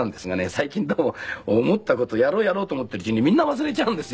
最近どうも思った事やろうやろうと思っているうちにみんな忘れちゃうんですよね。